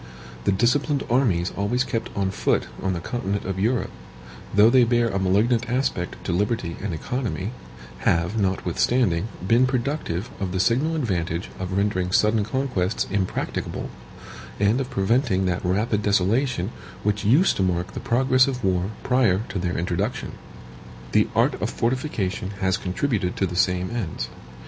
The disciplined armies always kept on foot on the continent of Europe, though they bear a malignant aspect to liberty and economy, have, notwithstanding, been productive of the signal advantage of rendering sudden conquests impracticable, and of preventing that rapid desolation which used to mark the progress of war prior to their introduction. The art of fortification has contributed to the same ends.